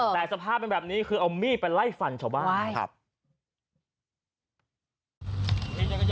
แต่สภาพเป็นแบบนี้คือเอามีดไปไล่ฟันชาวบ้าน